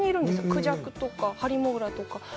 クジャクとか、ハリモグラとか。